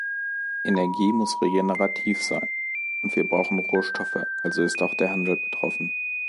Energie muss regenerativ sein, und wir brauchen Rohstoffe, also ist auch der Handel betroffen.